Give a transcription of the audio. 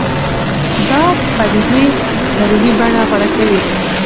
دا پدیدې دروني بڼه غوره کوي